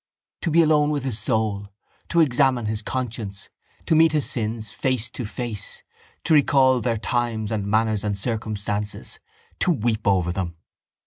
To be alone with his soul, to examine his conscience, to meet his sins face to face, to recall their times and manners and circumstances, to weep over them.